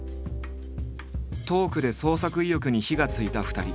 トークで創作意欲に火がついた２人。